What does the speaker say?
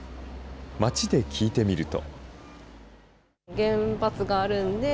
街で聞いてみると。